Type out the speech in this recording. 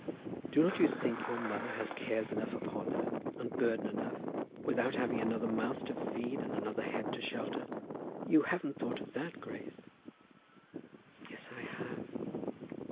"Do not you think your mother has cares enough upon her, and burden enough, without having another mouth to feed, and another head to shelter? You haven't thought of that, Grace!" "Yes, I have."